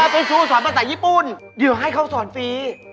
ไปสู้สอนภาษาญี่ปุ่นเหยื่อให้เขาสอนฟรี